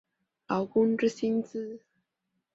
劳工之薪资